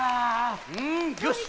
うんよし！